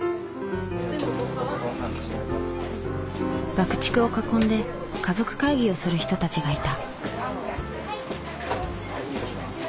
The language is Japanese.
爆竹を囲んで家族会議をする人たちがいた。